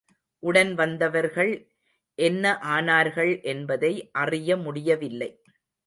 உடன் வந்தவர்கள் என்ன ஆனார்கள் என்பதை அறிய முடியவில்லை.